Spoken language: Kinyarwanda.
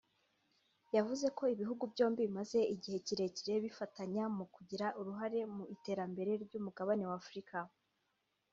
yavuze ko ibihugu byombi bimaze igihe kirekire bifatanya mu kugira uruhare mu iterambere ry’umugabane wa Afurika